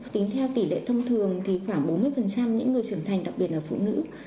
tính theo tỷ lệ thông thường thì khoảng bốn mươi những người trưởng thành đặc biệt là phụ nữ